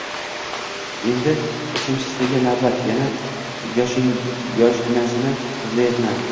Endi uchinchisiga navbat, yana yoshginasini izlayapman